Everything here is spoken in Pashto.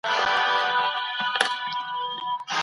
ښه ذهنیت خوښي نه ځنډوي.